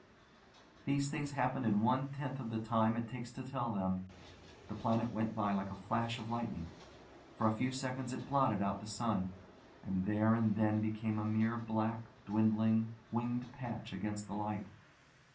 These things happened in one tenth of the time it takes to tell them. The planet went by like a flash of lightning; for a few seconds it blotted out the sun, and there and then became a mere black, dwindling, winged patch against the light.